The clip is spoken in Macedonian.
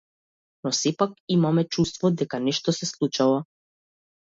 Но сепак имаме чувство дека нешто се случува.